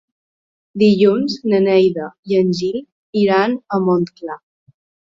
Dilluns na Neida i en Gil iran a Montclar.